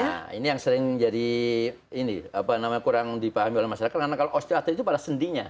nah ini yang sering jadi ini apa namanya kurang dipahami oleh masyarakat karena kalau osteoartrid itu pada sendinya